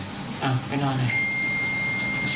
อ้าวไปนอนไหน